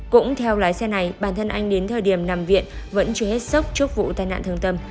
cũng theo lái xe này bản thân anh đến thời điểm nằm viện vẫn chưa hết sốc trước vụ tai nạn thương tâm